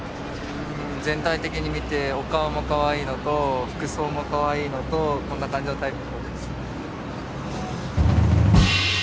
全体的に見てお顔もかわいいのと服装もかわいいのとこんな感じのタイプ。